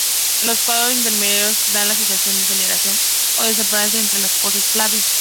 Los cuadros intermedios dan la sensación de aceleración o desaceleración entre las poses clave.